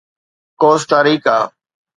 Costa ريڪا